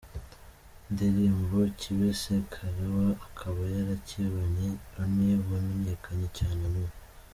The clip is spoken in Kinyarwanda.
ndirimbo 'Kibe Sankalewa', akaba yarayikoranye Ronnie wamenyekanye cyane mu.